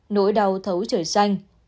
nỗi đau thấu trời xanh